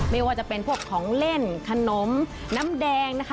ไม่ว่าจะเป็นพวกของเล่นขนมน้ำแดงนะคะ